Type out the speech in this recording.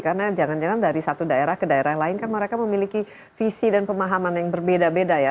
karena jangan jangan dari satu daerah ke daerah yang lain kan mereka memiliki visi dan pemahaman yang berbeda beda ya